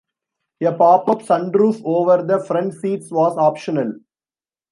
A pop-up sunroof over the front seats was optional.